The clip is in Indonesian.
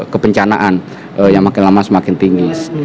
kebencanaan yang makin lama semakin tinggi